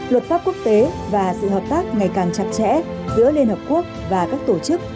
luật pháp quốc tế và sự hợp tác ngày càng chặt chẽ giữa liên hợp quốc và các tổ chức